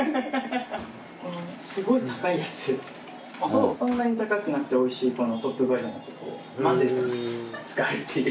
この、すごい高いやつとそんなに高くなくて、おいしいトップバリュのやつを混ぜて使うっていう。